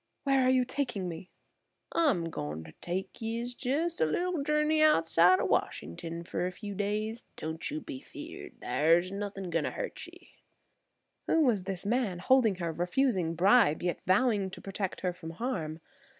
"Where are you taking me?" "I'm goin' ter take yer jes' a little journey outside o' Washington fer a few days. Don't you be feared; thar's nuthin' goin' hurt ye." Who was this man holding her, refusing bribe, yet vowing to protect her from harm.